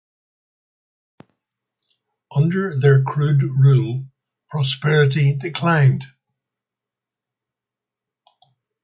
Under their crude rule, prosperity declined.